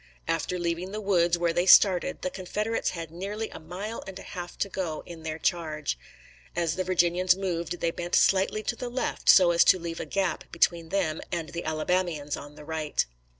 After leaving the woods where they started, the Confederates had nearly a mile and a half to go in their charge. As the Virginians moved, they bent slightly to the left, so as to leave a gap between them and the Alabamians on the right.